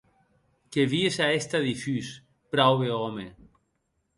Que vies a èster difús, praube òme.